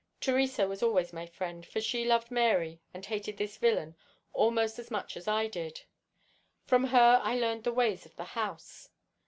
Theresa was always my friend, for she loved Mary and hated this villain almost as much as I did. From her I learned the ways of the house.